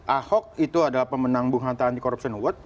ahok itu adalah pemenang bung hanta anti corruption award